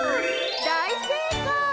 だいせいかい！